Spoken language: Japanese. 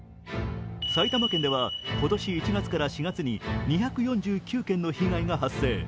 埼玉県では今年１月から４月に２４９件の被害が発生。